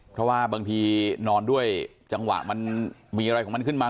เพราะว่าบางทีนอนด้วยจังหวะมันมีอะไรของมันขึ้นมา